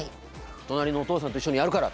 隣のおとうさんと一緒にやるから」。